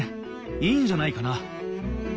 いいんじゃないかな。